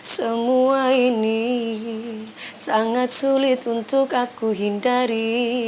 semua ini sangat sulit untuk aku hindari